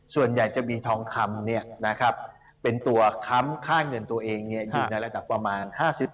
ส่วนใหญ่จะมีทองคำเป็นตัวค้ำค่าเงินตัวเองอยู่ในระดับประมาณ๕๐